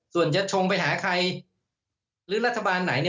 ส่วนจะชงไปหาใครหรือรัฐบาลไหน